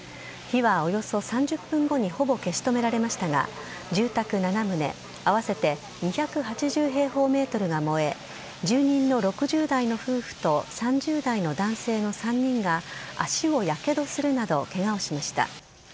火はおよそ３０分後にほぼ消し止められましたが住宅７棟、合わせて２８０平方メートルが燃え住人の６０代の夫婦と３０代の男性の３人が足をやけどするなどケガをしました。